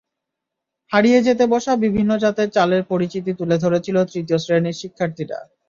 হারিয়ে যেতে বসা বিভিন্ন জাতের চালের পরিচিতি তুলে ধরেছিল তৃতীয় শ্রেণির শিক্ষার্থীরা।